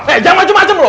eh jangan macem macem lu ya